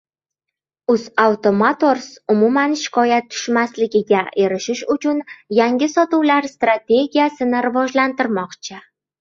UzAuto Motors umuman shikoyat tushmasligiga erishish uchun yangi sotuvlar strategiyasini rivojlantirmoqchi